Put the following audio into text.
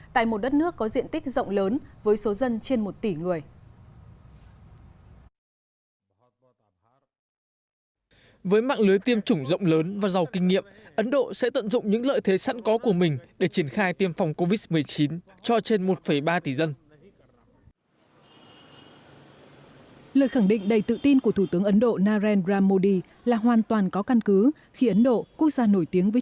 tại một đất nước có diện tích rộng lớn với số dân trên một tỷ người